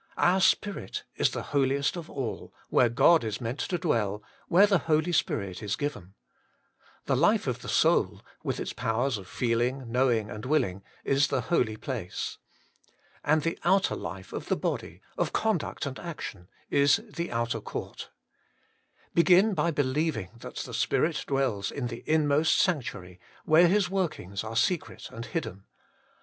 Our spirit Is the Holiest of alt, when God is meant to dwell, where the Holy Spirit is given. The life of the soul, with its powers of feeling, knowing, and willing, Is the holy place. And the outer life of the body, of conduct and action, is the outer court. Begin by believing that the Spirit dwells In the Inmost sanctuary, where His workings are secret and hidden.